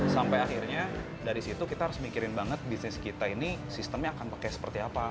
sampai akhirnya dari situ kita harus mikirin banget bisnis kita ini sistemnya akan pakai seperti apa